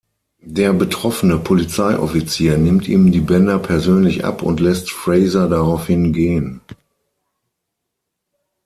Der betroffene Polizeioffizier nimmt ihm die Bänder persönlich ab und lässt Frazer daraufhin gehen.